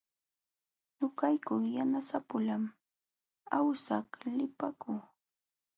Ñuqayku yanasapulam awsaq lipaakuu.